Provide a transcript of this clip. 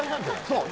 そう。